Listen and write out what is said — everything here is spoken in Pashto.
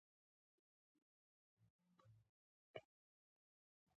هلته یې کښېږدم ؟؟